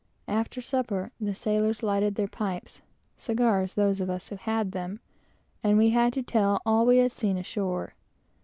After supper the sailors lighted their pipes, (cigars, those of us who had them,) and we had to tell all we had seen ashore.